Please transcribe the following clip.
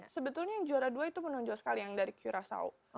sebetulnya yang juara dua itu menonjol sekali yang dari curasau